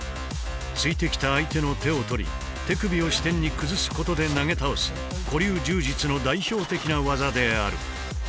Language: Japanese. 突いてきた相手の手を取り手首を支点に崩すことで投げ倒す古流柔術の代表的な技である。